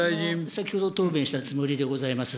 先ほど答弁したつもりでございます。